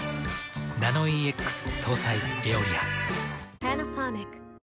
ナノイーＸ搭載「エオリア」。